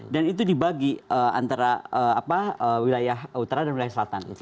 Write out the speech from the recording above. dan itu dibagi antara wilayah utara dan wilayah selatan